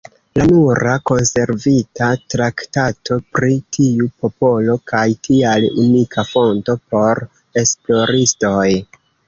La nura konservita traktato pri tiu popolo kaj tial unika fonto por esploristoj.